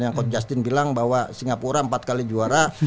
yang coach justin bilang bahwa singapura empat kali juara